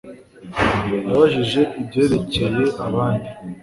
Yabajije ibyerekeye abandi